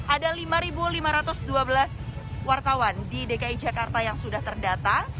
ada lima lima ratus dua belas wartawan di dki jakarta yang sudah terdata